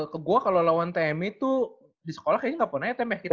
ke gue kalau lawan temi tuh di sekolah kayaknya gak pernah ya tem ya kita ya